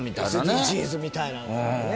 ＳＤＧｓみたいなものがね。